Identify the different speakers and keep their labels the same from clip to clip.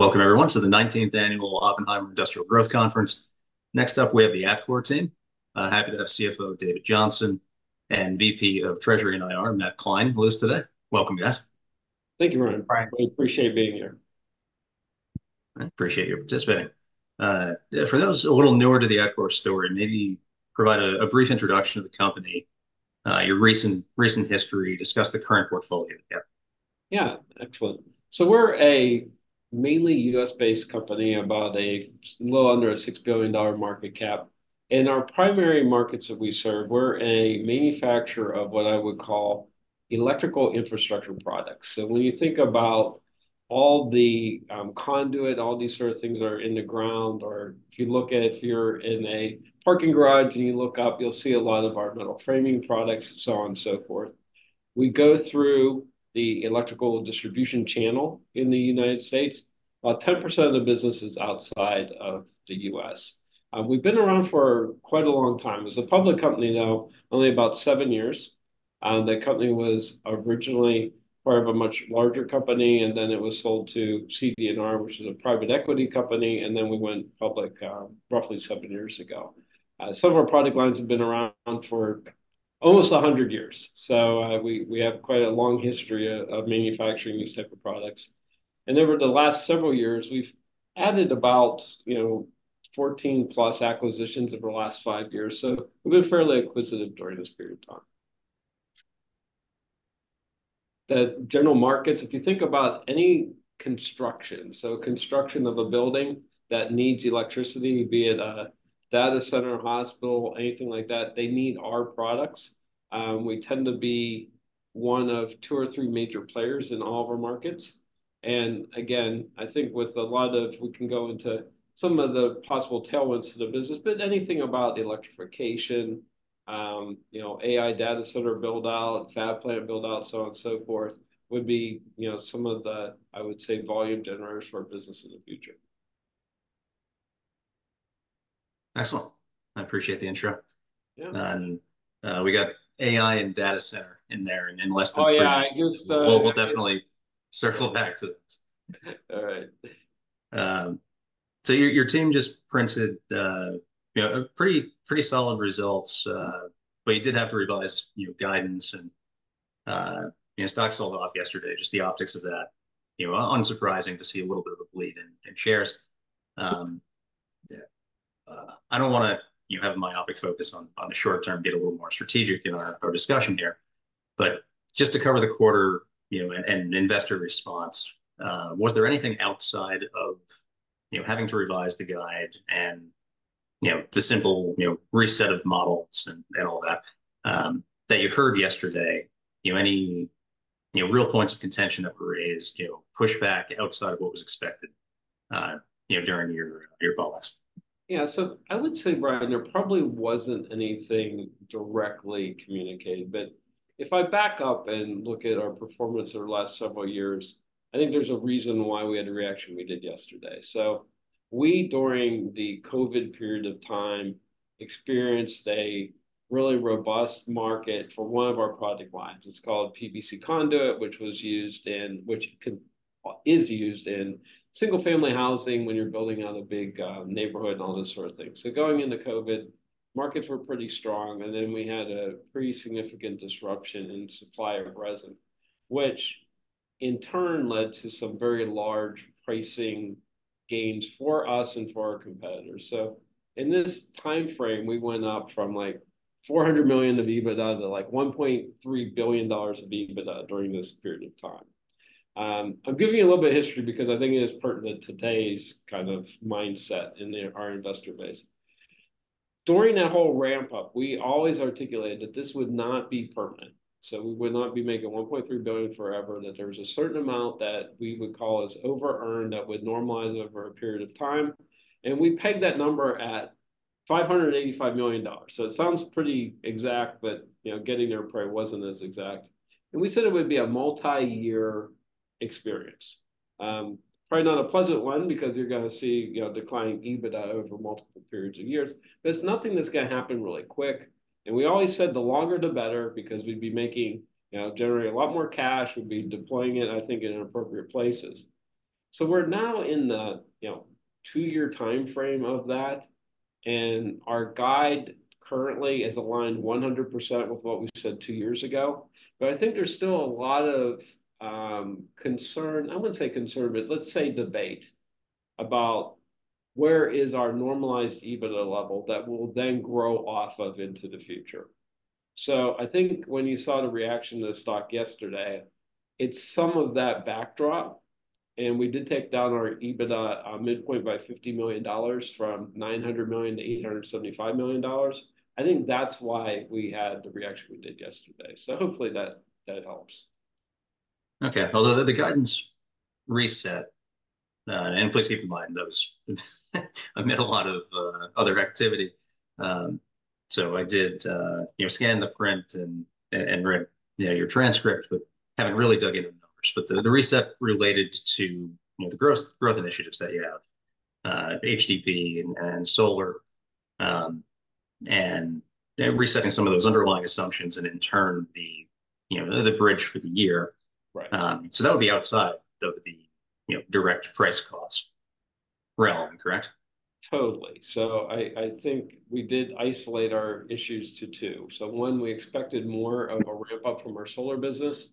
Speaker 1: Welcome everyone to the 19th Annual Oppenheimer Industrial Growth Conference. Next up, we have the Atkore team. Happy to have CFO David Johnson and VP of Treasury and IR, Matt Kline, with us today. Welcome, guys.
Speaker 2: Thank you, Brian.
Speaker 3: Hi.
Speaker 2: We appreciate being here.
Speaker 1: I appreciate you participating. For those a little newer to the Atkore story, maybe provide a brief introduction to the company, your recent history, discuss the current portfolio. Yeah.
Speaker 2: Yeah, excellent. So we're a mainly U.S. based company, about a little under a $6 billion market cap. In our primary markets that we serve, we're a manufacturer of what I would call electrical infrastructure products. So when you think about all the conduit, all these sort of things that are in the ground, or if you look at, if you're in a parking garage and you look up, you'll see a lot of our metal framing products, so on and so forth. We go through the electrical distribution channel in the United States. About 10% of the business is outside of the U.S. We've been around for quite a long time. As a public company, now, only about seven years. The company was originally part of a much larger company, and then it was sold to CD&R, which is a private equity company, and then we went public, roughly seven years ago. Some of our product lines have been around for almost 100 years, so we have quite a long history of manufacturing these type of products. And over the last several years, we've added about, you know, 14+ acquisitions over the last five years, so we've been fairly acquisitive during this period of time. The general markets, if you think about any construction, so construction of a building that needs electricity, be it a data center, hospital, anything like that, they need our products. We tend to be one of two or three major players in all of our markets, and again, I think with a lot of... We can go into some of the possible tailwinds to the business, but anything about the electrification, you know, AI data center build-out, fab plant build-out, so on and so forth, would be, you know, some of the, I would say, volume generators for our business in the future.
Speaker 1: Excellent. I appreciate the intro.
Speaker 2: Yeah.
Speaker 1: And, we got AI and data center in there in less than three-
Speaker 2: Oh, yeah, I guess,
Speaker 1: Well, we'll definitely circle back to those.
Speaker 2: All right.
Speaker 1: So your team just printed, you know, a pretty, pretty solid results, but you did have to revise, you know, guidance and, you know, stock sold off yesterday. Just the optics of that, you know, unsurprising to see a little bit of a bleed in shares. Yeah, I don't want a myopic focus on the short term, get a little more strategic in our discussion here. But just to cover the quarter, you know, and investor response, was there anything outside of, you know, having to revise the guide and, you know, the simple, you know, reset of models and all that, that you heard yesterday, you know, any, you know, real points of contention that were raised, you know, pushback outside of what was expected, you know, during your call last?
Speaker 2: Yeah. So I would say, Brian, there probably wasn't anything directly communicated, but if I back up and look at our performance over the last several years, I think there's a reason why we had the reaction we did yesterday. So we, during the COVID period of time, experienced a really robust market for one of our product lines. It's called PVC Conduit, which is used in single-family housing when you're building out a big neighborhood and all this sort of thing. So going into COVID, markets were pretty strong, and then we had a pretty significant disruption in supply of resin, which in turn led to some very large pricing gains for us and for our competitors. So in this timeframe, we went up from, like, $400 million of EBITDA to, like, $1.3 billion of EBITDA during this period of time. I'm giving you a little bit of history because I think it is pertinent to today's kind of mindset in the, our investor base. During that whole ramp-up, we always articulated that this would not be permanent, so we would not be making $1.3 billion forever, that there was a certain amount that we would call as over-earned that would normalize over a period of time, and we pegged that number at $585 million. So it sounds pretty exact, but, you know, getting there probably wasn't as exact. And we said it would be a multi-year experience. Probably not a pleasant one, because you're gonna see, you know, declining EBITDA over multiple periods of years, but it's nothing that's gonna happen really quick. And we always said, the longer the better, because we'd be making... You know, generating a lot more cash, we'd be deploying it, I think, in appropriate places. So we're now in the, you know, two-year timeframe of that, and our guide currently is aligned 100% with what we said two years ago. But I think there's still a lot of concern, I wouldn't say concern, but let's say debate about where is our normalized EBITDA level that we'll then grow off of into the future. I think when you saw the reaction to the stock yesterday, it's some of that backdrop, and we did take down our EBITDA midpoint by $50 million, from $900 million-$875 million. I think that's why we had the reaction we did yesterday, so hopefully that, that helps.
Speaker 1: Okay, although the guidance reset, and please keep in mind, there was amid a lot of other activity. So I did, you know, scan the print and read, you know, your transcript, but haven't really dug into the numbers. But the reset related to, you know, the growth growth initiatives that you have, HDPE and solar, and resetting some of those underlying assumptions, and in turn, the, you know, the bridge for the year.
Speaker 2: Right.
Speaker 1: So, that would be outside of the, you know, direct price cost realm, correct?
Speaker 2: Totally. So I, I think we did isolate our issues to two. So one, we expected more of a ramp-up from our solar business,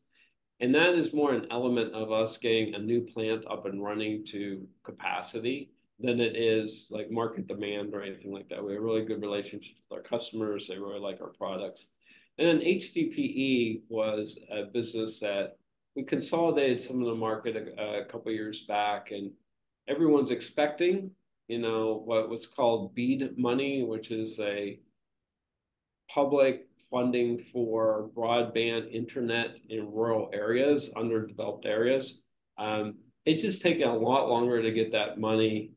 Speaker 2: and that is more an element of us getting a new plant up and running to capacity than it is, like, market demand or anything like that. We have a really good relationship with our customers. They really like our products. And then HDPE was a business that we consolidated some of the market a couple of years back, and everyone's expecting, you know, what's called BEAD money, which is a public funding for broadband internet in rural areas, underdeveloped areas. It's just taking a lot longer to get that money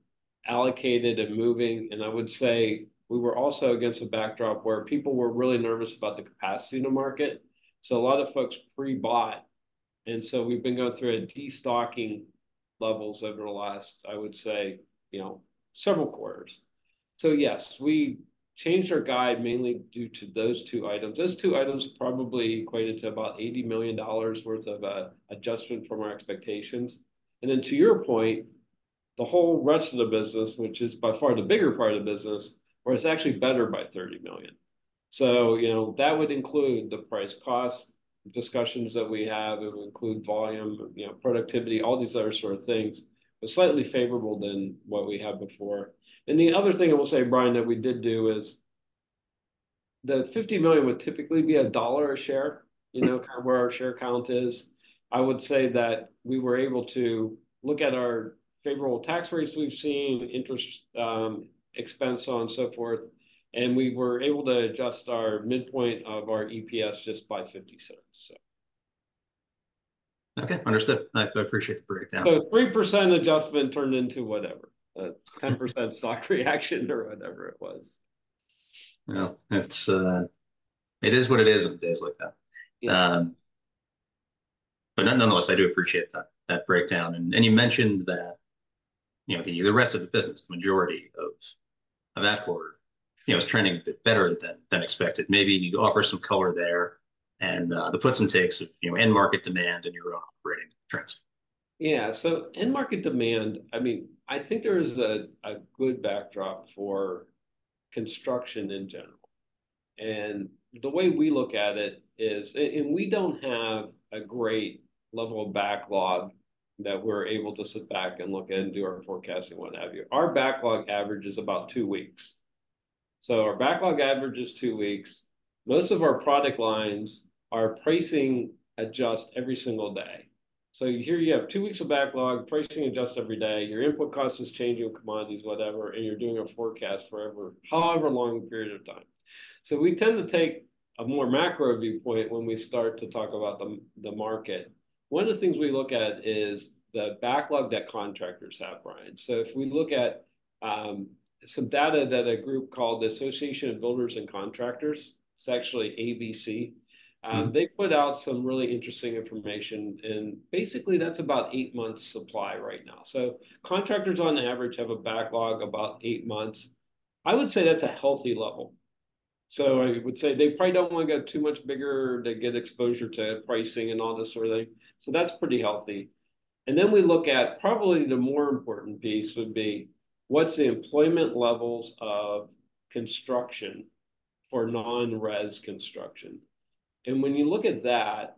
Speaker 2: allocated and moving, and I would say we were also against a backdrop where people were really nervous about the capacity in the market, so a lot of folks pre-bought. We've been going through destocking levels over the last, I would say, you know, several quarters. So yes, we changed our guide mainly due to those two items. Those two items probably equated to about $80 million worth of adjustment from our expectations. And then to your point, the whole rest of the business, which is by far the bigger part of the business, was actually better by $30 million. So, you know, that would include the price cost discussions that we have. It would include volume, you know, productivity, all these other sort of things, but slightly favorable than what we had before. And the other thing I will say, Brian, that we did do is, the $50 million would typically be $1 a share-
Speaker 1: Mm...
Speaker 2: you know, kind of where our share count is. I would say that we were able to look at our favorable tax rates we've seen, interest, expense, so on, so forth, and we were able to adjust our midpoint of our EPS just by $0.50, so.
Speaker 1: Okay, understood. I appreciate the breakdown.
Speaker 2: So 3% adjustment turned into whatever, 10% stock reaction or whatever it was.
Speaker 1: Well, it's it is what it is on days like that.
Speaker 2: Yeah.
Speaker 1: But nonetheless, I do appreciate that, that breakdown. You mentioned that, you know, the rest of the business, the majority of that quarter, you know, is trending a bit better than expected. Maybe you could offer some color there, and the puts and takes of, you know, end market demand and your own operating trends.
Speaker 2: Yeah, so end market demand, I mean, I think there's a good backdrop for construction in general. And the way we look at it is... and we don't have a great level of backlog that we're able to sit back and look at and do our forecasting, what have you. Our backlog average is about two weeks. So our backlog average is two weeks. Most of our product lines, our pricing adjust every single day. So here you have two weeks of backlog, pricing adjusts every day, your input cost is changing, your commodities, whatever, and you're doing a forecast for however long a period of time. So we tend to take a more macro viewpoint when we start to talk about the market. One of the things we look at is the backlog that contractors have, Brian. If we look at some data that a group called the Associated Builders and Contractors, it's actually ABC.
Speaker 1: Mm.
Speaker 2: They put out some really interesting information, and basically, that's about eight months supply right now. So contractors on average have a backlog about eight months. I would say that's a healthy level. So I would say they probably don't want to get too much bigger to get exposure to pricing and all this sort of thing. So that's pretty healthy. And then we look at... Probably the more important piece would be: What's the employment levels of construction for non-res construction? And when you look at that,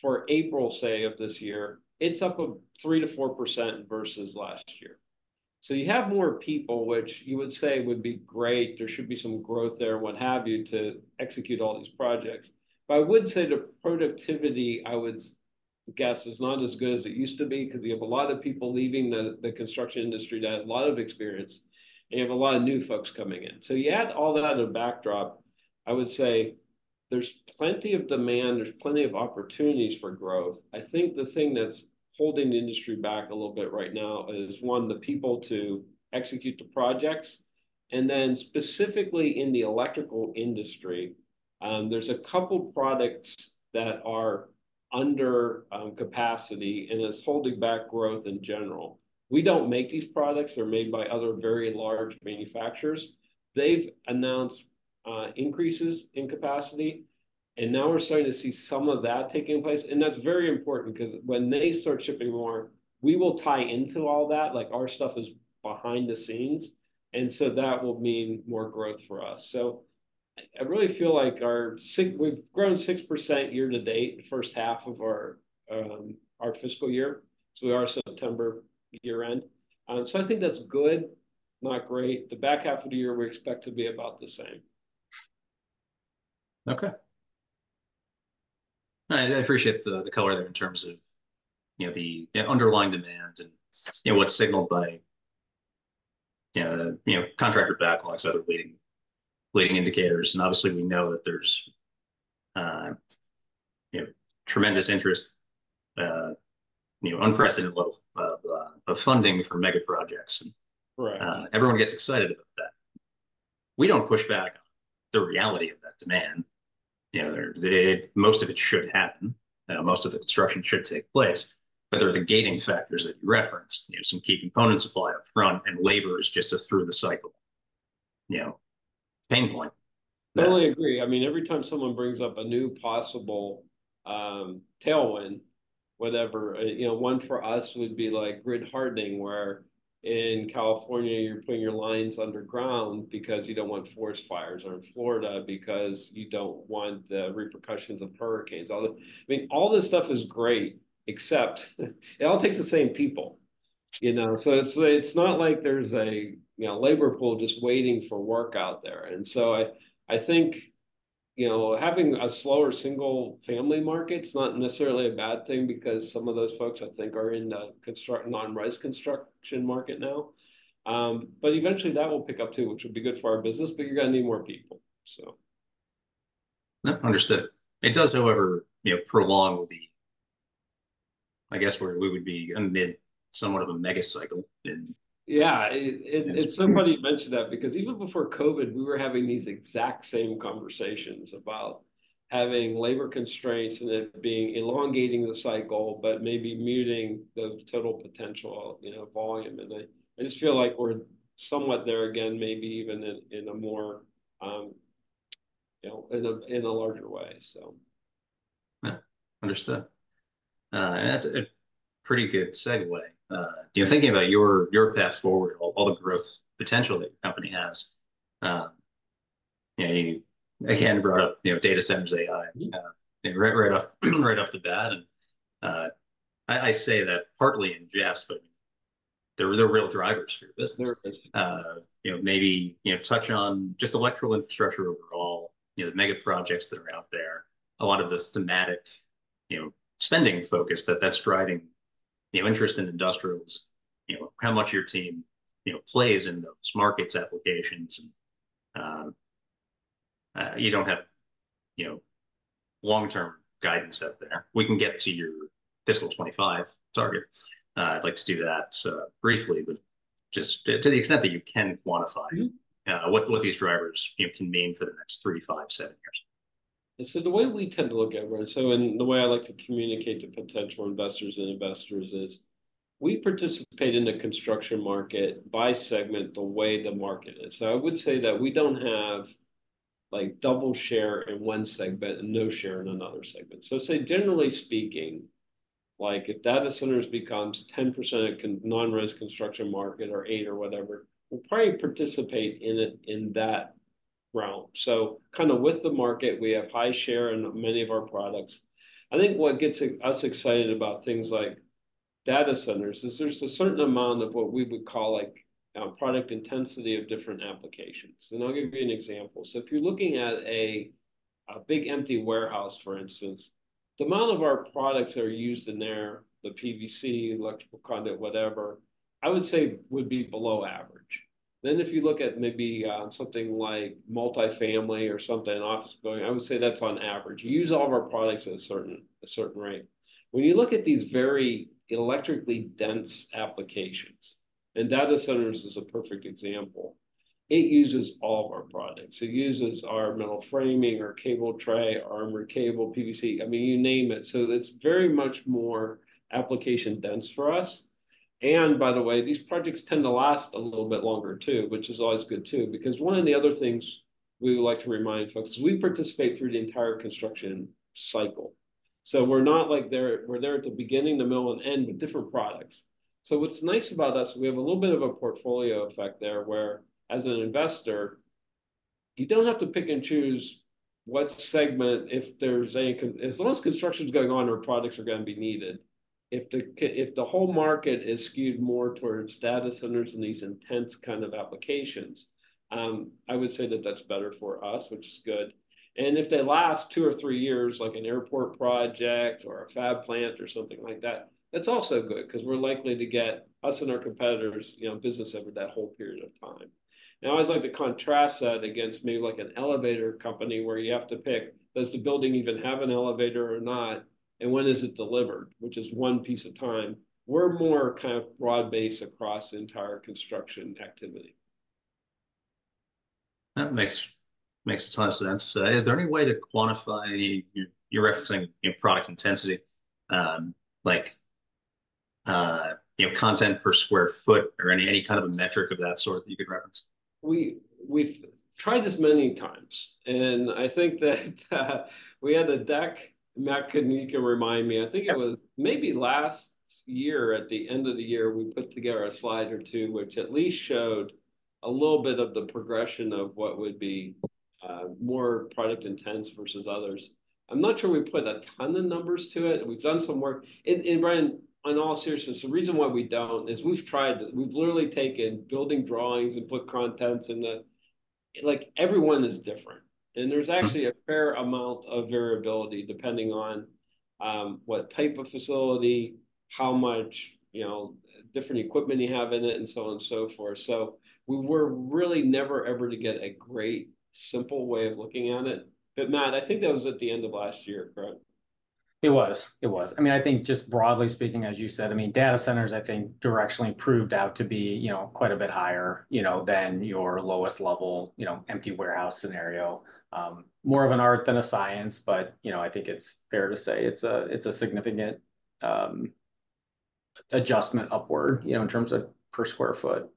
Speaker 2: for April, say, of this year, it's up of 3%-4% versus last year. So you have more people, which you would say would be great, there should be some growth there, what have you, to execute all these projects. But I would say the productivity, I would guess, is not as good as it used to be, because you have a lot of people leaving the construction industry that have a lot of experience, and you have a lot of new folks coming in. So you add all that other backdrop, I would say there's plenty of demand, there's plenty of opportunities for growth. I think the thing that's holding the industry back a little bit right now is, one, the people to execute the projects, and then specifically in the electrical industry, there's a couple products that are under capacity, and it's holding back growth in general. We don't make these products. They're made by other very large manufacturers. They've announced increases in capacity, and now we're starting to see some of that taking place, and that's very important, because when they start shipping more, we will tie into all that. Like, our stuff is behind the scenes, and so that will mean more growth for us. So I really feel like we've grown 6% year to date, the first half of our fiscal year, so we are September year-end. So I think that's good, not great. The back half of the year, we expect to be about the same.
Speaker 1: Okay. I appreciate the color there in terms of, you know, the underlying demand and, you know, what's signaled by, you know, contractor backlogs, other leading indicators. And obviously, we know that there's, you know, tremendous interest, you know, unprecedented level of funding for mega projects, and-
Speaker 2: Right...
Speaker 1: everyone gets excited about that. We don't push back the reality of that demand.... you know, most of it should happen. Most of the construction should take place, but there are the gating factors that you referenced. You know, some key component supply up front, and labor is just a through-the-cycle, you know, pain point.
Speaker 2: Totally agree. I mean, every time someone brings up a new possible tailwind, whatever, you know, one for us would be, like, grid hardening, where in California you're putting your lines underground because you don't want forest fires, or in Florida because you don't want the repercussions of hurricanes. I mean, all this stuff is great, except it all takes the same people, you know? So it's not like there's a labor pool just waiting for work out there. And so I think, you know, having a slower single-family market's not necessarily a bad thing because some of those folks, I think, are in the non-residential construction market now. But eventually that will pick up, too, which would be good for our business, but you're gonna need more people, so.
Speaker 1: Yep, understood. It does, however, you know, prolong the... I guess we're- we would be amid somewhat of a mega cycle, and-
Speaker 2: Yeah, it- it's- It's somebody mentioned that because even before COVID, we were having these exact same conversations about having labor constraints and it being elongating the cycle, but maybe muting the total potential, you know, volume. And I just feel like we're somewhat there again, maybe even in a more, you know, in a larger way, so.
Speaker 1: Yeah. Understood. And that's a pretty good segue. You know, thinking about your path forward, all the growth potential that your company has, you know, you again brought up, you know, data centers, AI, you know, right off the bat. And I say that partly in jest, but they're real drivers for your business.
Speaker 2: They are.
Speaker 1: You know, maybe, you know, touch on just electrical infrastructure overall, you know, the mega projects that are out there, a lot of the thematic, you know, spending focus that, that's driving, you know, interest in industrials, you know, how much your team, you know, plays in those markets, applications, and, you don't have, you know, long-term guidance out there. We can get to your fiscal 2025 target. I'd like to do that, briefly, but just to the extent that you can quantify-
Speaker 2: Mm-hmm...
Speaker 1: what these drivers, you know, can mean for the next three, five, seven years.
Speaker 2: The way we tend to look at, the way I like to communicate to potential investors and investors is, we participate in the construction market by segment the way the market is. So I would say that we don't have, like, double share in one segment and no share in another segment. So, generally speaking, like, if data centers becomes 10% of non-residential construction market, or eight or whatever, we'll probably participate in it in that realm. So kind of with the market, we have high share in many of our products. I think what gets us excited about things like data centers is there's a certain amount of what we would call, like, product intensity of different applications. And I'll give you an example. So if you're looking at a big, empty warehouse, for instance, the amount of our products that are used in there, the PVC, electrical conduit, whatever, I would say would be below average. Then if you look at maybe something like multifamily or something, an office building, I would say that's on average. You use all of our products at a certain rate. When you look at these very electrically dense applications, and data centers is a perfect example, it uses all of our products. It uses our metal framing, our cable tray, armored cable, PVC, I mean, you name it. So it's very much more application dense for us, and by the way, these projects tend to last a little bit longer, too, which is always good, too. Because one of the other things we would like to remind folks is, we participate through the entire construction cycle. So we're not, like, there. We're there at the beginning, the middle, and end, but different products. So what's nice about us, we have a little bit of a portfolio effect there, where as an investor, you don't have to pick and choose what segment, if there's any as long as construction's going on, our products are gonna be needed. If the whole market is skewed more towards data centers and these intense kind of applications, I would say that that's better for us, which is good. If they last two or three years, like an airport project or a fab plant or something like that, that's also good, 'cause we're likely to get, us and our competitors, you know, business over that whole period of time. I always like to contrast that against maybe like an elevator company, where you have to pick, does the building even have an elevator or not, and when is it delivered? Which is one piece at a time. We're more kind of broad-based across the entire construction activity.
Speaker 1: That makes a ton of sense. Is there any way to quantify, you're referencing, you know, product intensity, like, you know, content per square foot or any kind of a metric of that sort that you could reference?
Speaker 2: We've tried this many times, and I think that we had a deck... Matt, you can remind me. I think it was maybe last year, at the end of the year, we put together a slide or two, which at least showed a little bit of the progression of what would be more product intense versus others. I'm not sure we put a ton of numbers to it. We've done some work, and Brian, in all seriousness, the reason why we don't is we've tried this. We've literally taken building drawings and put contents in the... Like, everyone is different.
Speaker 1: Mm-hmm.
Speaker 2: And there's actually a fair amount of variability, depending on what type of facility, how much, you know, different equipment you have in it, and so on and so forth. So we were really never ever to get a great, simple way of looking at it. But Matt, I think that was at the end of last year, correct? ...
Speaker 3: It was, it was. I mean, I think just broadly speaking, as you said, I mean, data centers I think directionally proved out to be, you know, quite a bit higher, you know, than your lowest level, you know, empty warehouse scenario. More of an art than a science, but, you know, I think it's fair to say it's a, it's a significant adjustment upward, you know, in terms of per square foot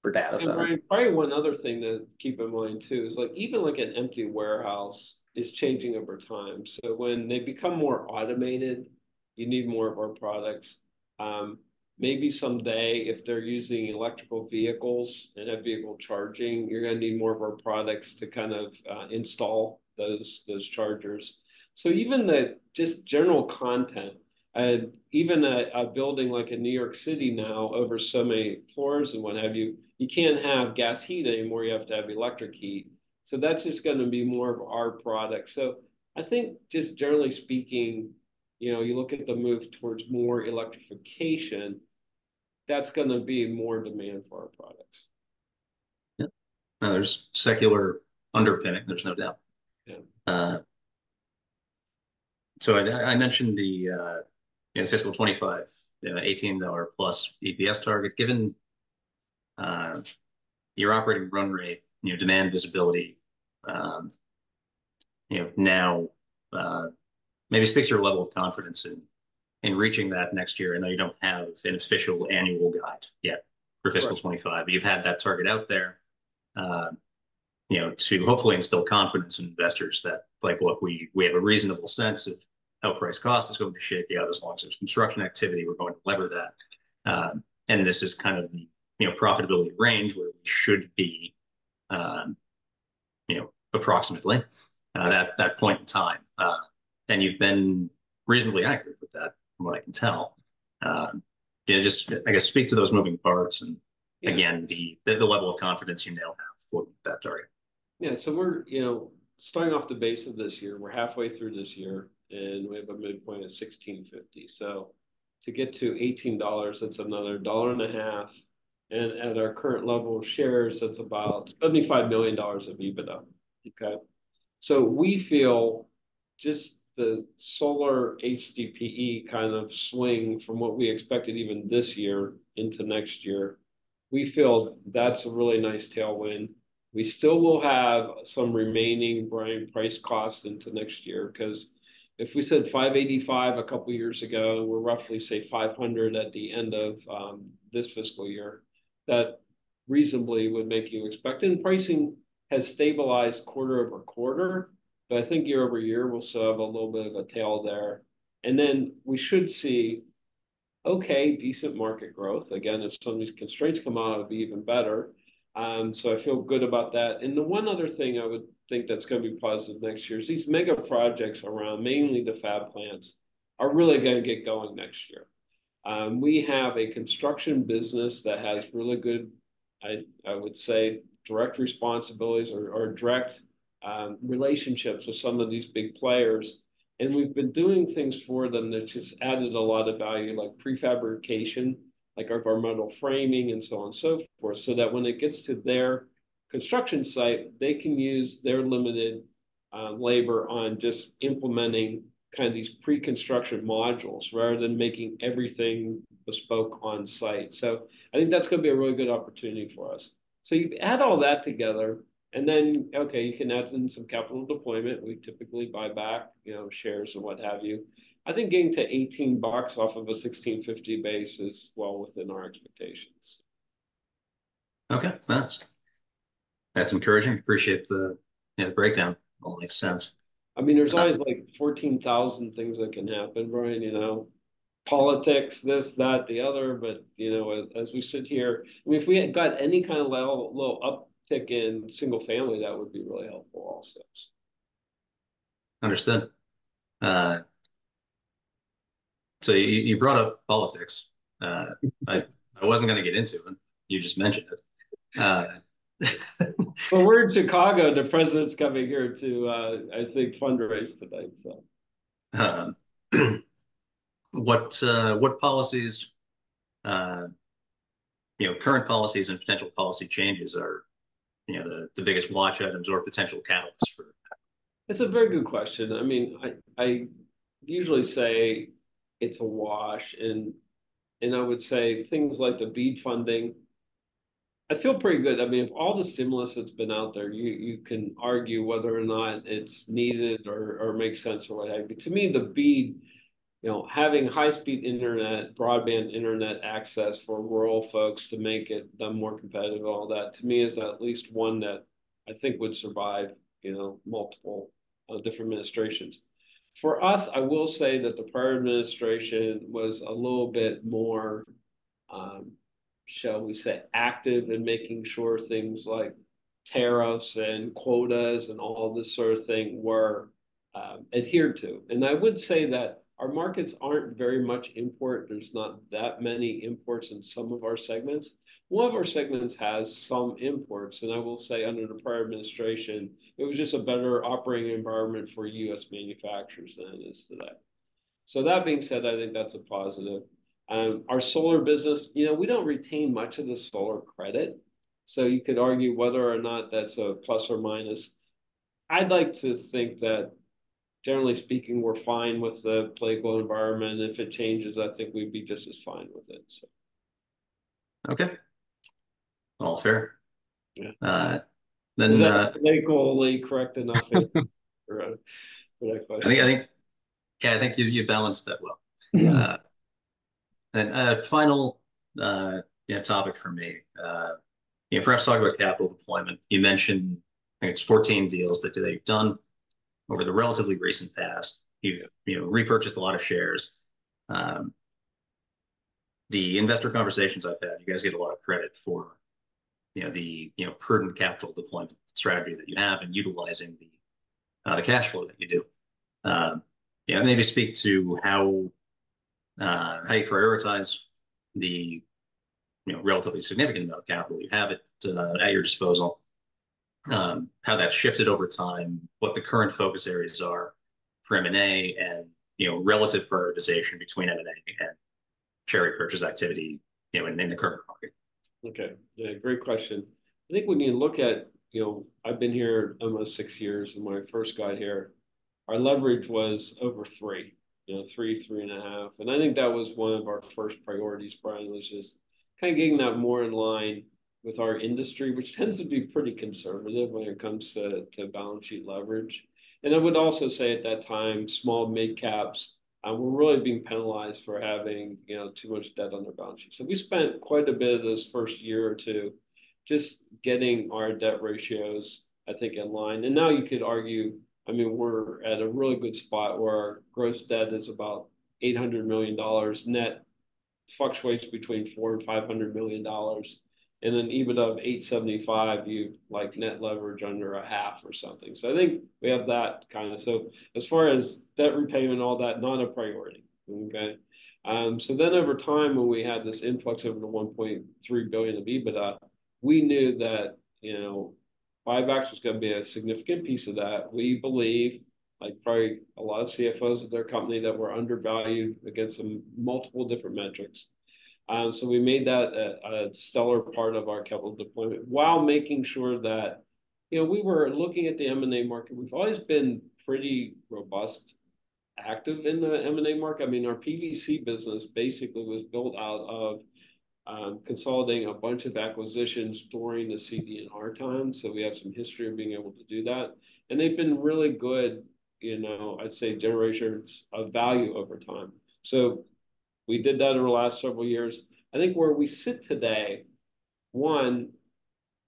Speaker 3: for data center.
Speaker 2: Brian, probably one other thing to keep in mind, too, is, like, even, like, an empty warehouse is changing over time. So when they become more automated, you need more of our products. Maybe someday, if they're using electric vehicles and have vehicle charging, you're gonna need more of our products to kind of install those, those chargers. So even just the general construction, even a building like in New York City now over so many floors and what have you, you can't have gas heat anymore, you have to have electric heat. So that's just gonna be more of our product. So I think just generally speaking, you know, you look at the move towards more electrification, that's gonna be more demand for our products.
Speaker 1: Yep. Now, there's secular underpinning, there's no doubt.
Speaker 2: Yeah.
Speaker 1: So I mentioned the you know fiscal 2025 you know $18+ EPS target. Given your operating run rate, you know, demand visibility, you know, now, maybe speak to your level of confidence in reaching that next year. I know you don't have an official annual guide yet.
Speaker 2: Right...
Speaker 1: for fiscal 2025, but you've had that target out there, you know, to hopefully instill confidence in investors that, like, "Look, we, we have a reasonable sense of how price cost is going to shake out. As long as there's construction activity, we're going to lever that. And this is kind of the, you know, profitability range where we should be, you know, approximately, at that point in time." And you've been reasonably accurate with that, from what I can tell. Yeah, just, I guess, speak to those moving parts and-
Speaker 2: Yeah...
Speaker 1: again, the level of confidence you now have for that target.
Speaker 2: Yeah, so we're, you know, starting off the base of this year. We're halfway through this year, and we have a midpoint of $16.50. So to get to $18, that's another $1.50, and at our current level of shares, that's about $75 million of EBITDA, okay? So we feel just the solar HDPE kind of swing from what we expected even this year into next year, we feel that's a really nice tailwind. We still will have some remaining resin price cost into next year, 'cause if we said $585 a couple years ago, we're roughly, say, $500 at the end of this fiscal year, that reasonably would make you expect... And pricing has stabilized quarter-over-quarter, but I think year-over-year, we'll still have a little bit of a tail there. And then we should see, okay, decent market growth. Again, if some of these constraints come out, it'll be even better. So I feel good about that. The one other thing I would think that's gonna be positive next year is these mega projects around, mainly the fab plants, are really gonna get going next year. We have a construction business that has really good, I would say, direct responsibilities or direct relationships with some of these big players. We've been doing things for them that just added a lot of value, like prefabrication, like of our metal framing and so on and so forth, so that when it gets to their construction site, they can use their limited labor on just implementing kind of these pre-construction modules, rather than making everything bespoke on site. So I think that's gonna be a really good opportunity for us. You add all that together, and then, okay, you can add in some capital deployment. We typically buy back, you know, shares and what have you. I think getting to $18 off of a $16.50 base is well within our expectations.
Speaker 1: Okay, that's encouraging. Appreciate the, you know, the breakdown. All makes sense.
Speaker 2: I mean, there's always, like, 14,000 things that can happen, Brian, you know? Politics, this, that, the other, but, you know, as we sit here... I mean, if we had got any kind of little uptick in single family, that would be really helpful also.
Speaker 1: Understood. So you brought up politics. I wasn't gonna get into it, you just mentioned it.
Speaker 2: Well, we're in Chicago. The president's coming here to, I think, fundraise today, so.
Speaker 1: What current policies and potential policy changes are, you know, the biggest watch items or potential catalysts for that?
Speaker 2: It's a very good question. I mean, I usually say it's a wash, and I would say things like the BEAD funding, I feel pretty good. I mean, of all the stimulus that's been out there, you can argue whether or not it's needed or makes sense or what have you. To me, the BEAD, you know, having high-speed internet, broadband internet access for rural folks to make them more competitive and all that, to me, is at least one that I think would survive, you know, multiple different administrations. For us, I will say that the prior administration was a little bit more, shall we say, active in making sure things like tariffs and quotas and all this sort of thing were adhered to. And I would say that our markets aren't very much import. There's not that many imports in some of our segments. One of our segments has some imports, and I will say under the prior administration, it was just a better operating environment for U.S. manufacturers than it is today. That being said, I think that's a positive. Our solar business, you know, we don't retain much of the solar credit-... so you could argue whether or not that's a plus or minus. I'd like to think that generally speaking, we're fine with the political environment. If it changes, I think we'd be just as fine with it, so.
Speaker 1: Okay. All fair.
Speaker 2: Yeah.
Speaker 1: Uh, then, uh-
Speaker 2: Is that politically correct enough? Or what I question?
Speaker 1: I think... Yeah, I think you balanced that well.
Speaker 2: Mm-hmm.
Speaker 1: Final, yeah, topic for me, you know, first talk about capital deployment. You mentioned, I think it's 14 deals that they've done over the relatively recent past. You've, you know, repurchased a lot of shares. The investor conversations I've had, you guys get a lot of credit for, you know, the, you know, prudent capital deployment strategy that you have in utilizing the cash flow that you do. Yeah, maybe speak to how you prioritize the, you know, relatively significant amount of capital you have it at your disposal, how that's shifted over time, what the current focus areas are for M&A, and, you know, relative prioritization between M&A and share repurchase activity, you know, in the current market.
Speaker 2: Okay. Yeah, great question. I think when you look at, you know, I've been here almost six years, and when I first got here, our leverage was over three, you know, three, three and a half. And I think that was one of our first priorities, probably was just kind of getting that more in line with our industry, which tends to be pretty conservative when it comes to balance sheet leverage. And I would also say, at that time, small mid caps were really being penalized for having, you know, too much debt on their balance sheet. So we spent quite a bit of this first year or two just getting our debt ratios, I think, in line. And now you could argue, I mean, we're at a really good spot where our gross debt is about $800 million. Net fluctuates between $400 million and $500 million, and then EBITDA of $875, you like, net leverage under a half or something. So I think we have that kind of... So as far as debt repayment, all that, not a priority. Okay? So then over time, when we had this influx of the $1.3 billion of EBITDA, we knew that, you know, buybacks was gonna be a significant piece of that. We believe, like probably a lot of CFOs at their company, that we're undervalued against some multiple different metrics. So we made that a, a stellar part of our capital deployment, while making sure that, you know, we were looking at the M&A market. We've always been pretty robust, active in the M&A market. I mean, our PVC business basically was built out of consolidating a bunch of acquisitions during the CD&R time. So we have some history of being able to do that, and they've been really good, you know, I'd say, generators of value over time. So we did that over the last several years. I think where we sit today, one,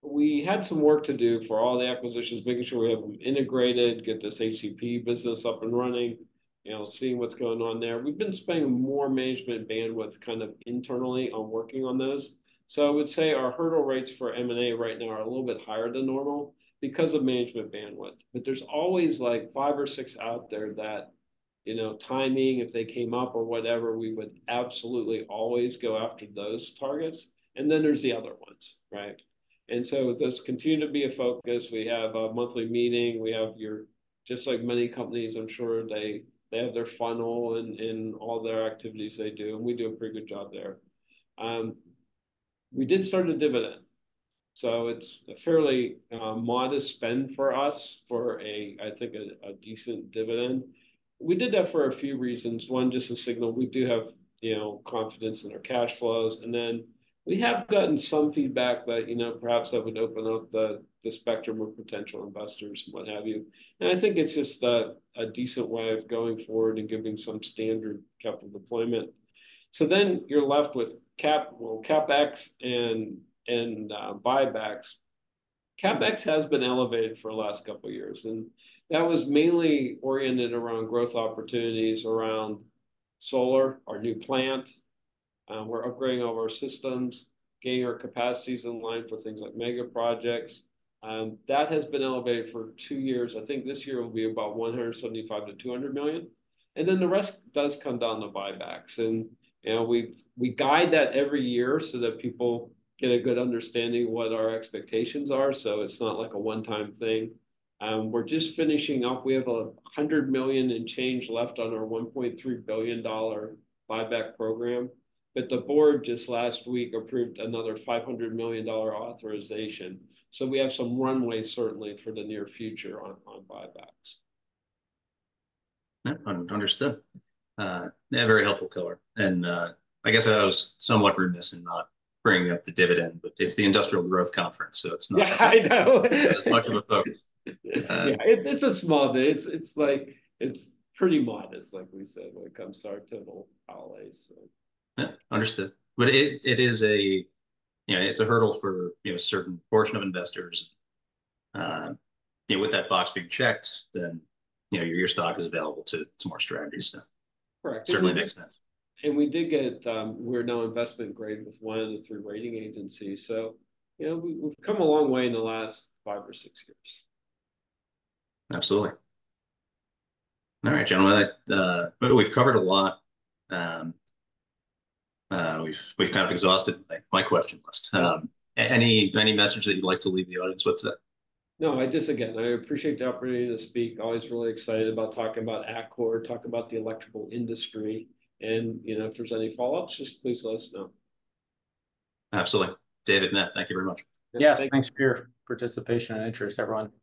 Speaker 2: we had some work to do for all the acquisitions, making sure we have them integrated, get this HDPE business up and running, you know, seeing what's going on there. We've been spending more management bandwidth kind of internally on working on those. So I would say our hurdle rates for M&A right now are a little bit higher than normal because of management bandwidth. But there's always, like, five or six out there that, you know, timing, if they came up or whatever, we would absolutely always go after those targets. And then there's the other ones, right? And so those continue to be a focus. We have a monthly meeting. We have your... Just like many companies, I'm sure they, they have their funnel in, in all their activities they do, and we do a pretty good job there. We did start a dividend, so it's a fairly, modest spend for us for a, I think, a, a decent dividend. We did that for a few reasons. One, just to signal we do have, you know, confidence in our cash flows, and then we have gotten some feedback that, you know, perhaps that would open up the, the spectrum of potential investors and what have you. I think it's just a decent way of going forward and giving some standard capital deployment. So then you're left with CapEx and buybacks. CapEx has been elevated for the last couple of years, and that was mainly oriented around growth opportunities around solar, our new plant, we're upgrading all of our systems, getting our capacities in line for things like mega projects, and that has been elevated for two years. I think this year will be about $175 million-$200 million, and then the rest does come down to buybacks. You know, we guide that every year so that people get a good understanding of what our expectations are, so it's not like a one-time thing. We're just finishing up. We have $100 million in change left on our $1.3 billion buyback program, but the board just last week approved another $500 million authorization. So we have some runway, certainly, for the near future on buybacks.
Speaker 1: Yep, understood. A very helpful color. And, I guess I was somewhat remiss in not bringing up the dividend, but it's the Industrial Growth Conference, so it's not-
Speaker 2: Yeah, I know.
Speaker 1: As much of a focus,
Speaker 2: Yeah, it's a small division. It's like, it's pretty modest, like we said, like, comes to our total sales, so.
Speaker 1: Yeah, understood. But it, it is a, you know, it's a hurdle for, you know, a certain portion of investors. You know, with that box being checked, then, you know, your stock is available to, to more strategies, so-
Speaker 2: Correct.
Speaker 1: Certainly makes sense.
Speaker 2: We did get. We're now investment grade with one of the three rating agencies, so, you know, we've come a long way in the last five or six years.
Speaker 1: Absolutely. All right, gentlemen, we've covered a lot. We've kind of exhausted my question list. Any message that you'd like to leave the audience with today?
Speaker 2: No, I just... Again, I appreciate the opportunity to speak. Always really excited about talking about Atkore, talk about the electrical industry, and, you know, if there's any follow-ups, just please let us know.
Speaker 1: Absolutely. David, Matt, thank you very much.
Speaker 2: Yes,
Speaker 1: thanks for your participation and interest, everyone.
Speaker 2: Thanks.